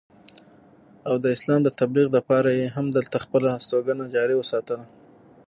او د اسلام د تبليغ دپاره ئې هم دلته خپله استوګنه جاري اوساتله